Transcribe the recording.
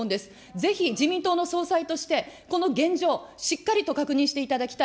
ぜひ、自民党の総裁として、この現状、しっかりと確認していただきたい。